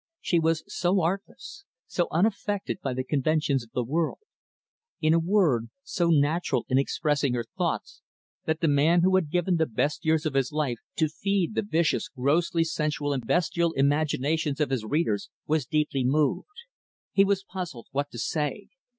She was so artless so unaffected by the conventions of the world in a word, so natural in expressing her thoughts, that the man who had given the best years of his life to feed the vicious, grossly sensual and bestial imaginations of his readers was deeply moved. He was puzzled what to say.